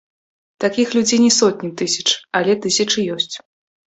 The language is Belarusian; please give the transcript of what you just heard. Такіх людзей не сотні тысяч, але тысячы ёсць.